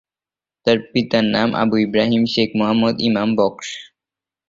তার পিতার নাম আবু ইব্রাহিম শেখ মোহাম্মদ ইমাম বখশ।